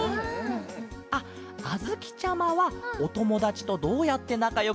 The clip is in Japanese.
あっあづきちゃまはおともだちとどうやってなかよくなったケロ？